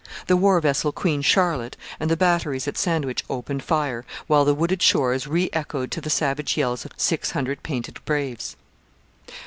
The war vessel Queen Charlotte and the batteries at Sandwich opened fire, while the wooded shores re echoed to the savage yells of 600 painted braves.